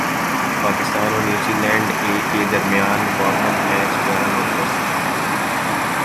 پاکستان اور New Zealand A درمیان warm up match گیارہ نومبر سے شروع ہوگا